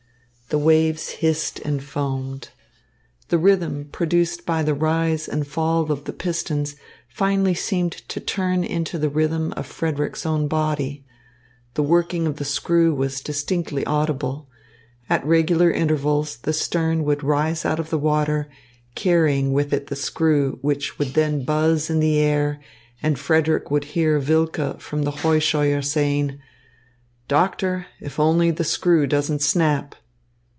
The waves hissed and foamed. The rhythm produced by the rise and fall of the pistons finally seemed to turn into the rhythm of Frederick's own body. The working of the screw was distinctly audible. At regular intervals the stern would rise out of the water, carrying with it the screw, which would then buzz in the air, and Frederick would hear Wilke from the Heuscheuer saying: "Doctor, if only the screw doesn't snap."